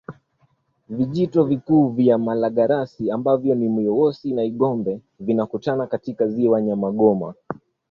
Vijito vikuu vya mto Malagarasi ambavyo ni Myowosi na Igombe vinakutana katika Ziwa Nyamagoma